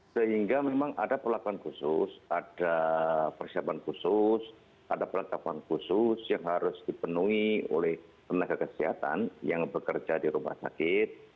sehingga memang ada perlakuan khusus ada persiapan khusus ada perlengkapan khusus yang harus dipenuhi oleh tenaga kesehatan yang bekerja di rumah sakit